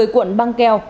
một mươi cuộn băng keo